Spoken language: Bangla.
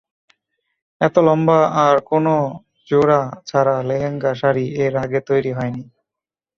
এত লম্বা আর কোনো জোড়া ছাড়া লেহেঙ্গা শাড়ি এর আগে তৈরি হয়নি।